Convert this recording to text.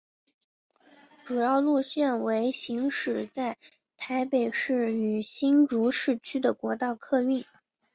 主要路线为行驶在台北市与新竹市间的国道客运。